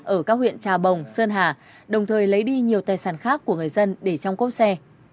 ở các huyện trà bồng sơn hà đồng thời lấy đi nhiều tài sản khác của người dân để trong cốc xe